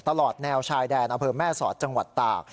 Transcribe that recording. ตลอดแนวชายแดนอำเภอแม่สอดจังหวัดตาก